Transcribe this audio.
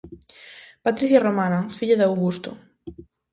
Patricia romana, filla de Augusto.